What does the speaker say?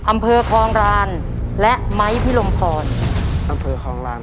อำเภอคลองรานและไม้พิรมพร